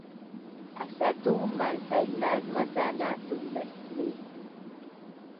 Asatu maldailaz maca na tunlaihlih